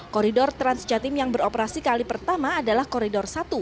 koridor transjatim yang beroperasi kali pertama adalah koridor satu